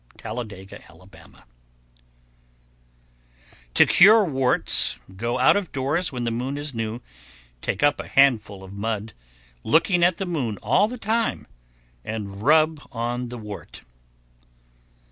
Talladega, Ala. 1140. To cure warts, go out of doors when the moon is new, take up a handful of mud, looking at the moon all the time, and rub on the wart.